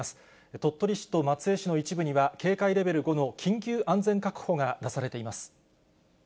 鳥取市と松江市の一部には警戒レベル５の緊急安全確保が出されています。